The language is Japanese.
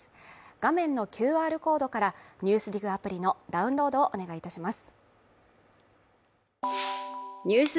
画面のＱＲコードから「ＮＥＷＳＤＩＧ」アプリのダウンロードをお願いいたします。